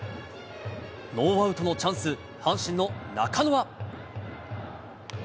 ノーアウトのチャンス、阪神の中野は。